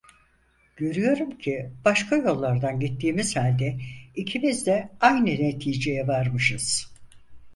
Görüyorum ki, başka yollardan gittiğimiz halde ikimiz de aynı neticeye varmışız.